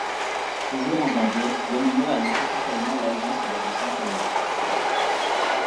Toujours en janvier, Bonino annonce officiellement l'alliance avec le centre gauche.